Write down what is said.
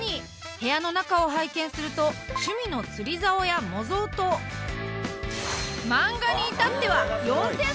部屋の中を拝見すると趣味の釣りざおや模造刀漫画に至っては４，０００冊以上も！